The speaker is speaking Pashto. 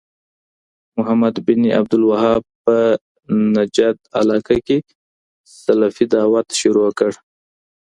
محمد بن عبد الوهاب په نَجد علاقه کي سلفي دعوت شروع کړ